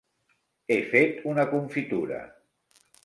He fet una confitura!